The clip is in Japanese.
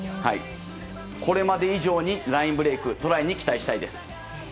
これまで以上にラインブレークトライに期待したいです。